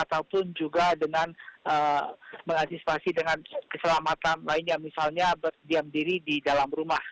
ataupun juga dengan mengantisipasi dengan keselamatan lainnya misalnya berdiam diri di dalam rumah